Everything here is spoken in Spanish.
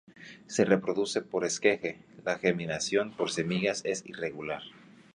Se reproduce por esqueje, la germinación por semillas es irregular.